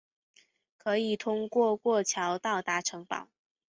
可以通过过桥到达城堡。